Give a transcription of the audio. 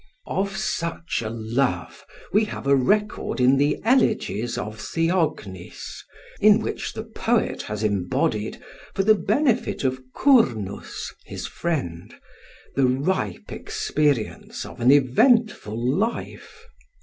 Of such a love we have a record in the elegies of Theognis, in which the poet has embodied, for the benefit of Kurnus his friend, the ripe experience of an eventful life.